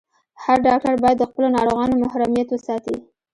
هر ډاکټر باید د خپلو ناروغانو محرميت وساتي.